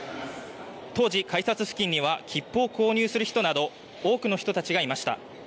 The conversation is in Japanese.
当時、改札付近には切符を購入する人など多くの人たちがいました。